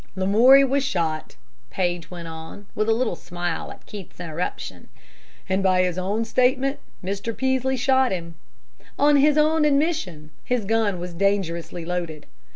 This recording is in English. "Lamoury was shot," Paige went on, with a little smile at Keith's interruption, "and by his own statement, Mr. Peaslee shot him. On his own admission, his gun was dangerously loaded.